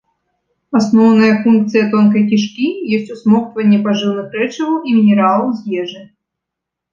Асноўная функцыя тонкай кішкі ёсць усмоктванне пажыўных рэчываў і мінералаў з ежы.